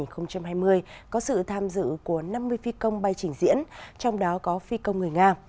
trong đó có phi công người nga